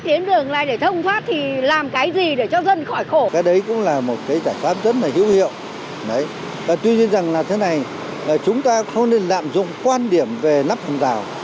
tuy nhiên rằng là thế này chúng ta không nên lạm dụng quan điểm về nắp hàng rào